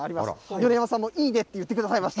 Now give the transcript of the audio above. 米山さんも、いいねって言ってくださいました。